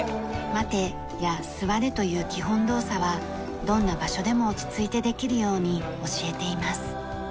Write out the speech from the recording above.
「待て」や「座れ」という基本動作はどんな場所でも落ち着いてできるように教えています。